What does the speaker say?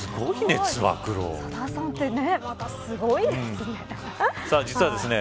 さださんってまたすごいですね。